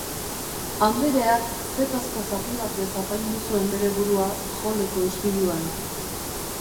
Andereak zetazko zapi batez apaindu zuen bere burua halleko ispiluan.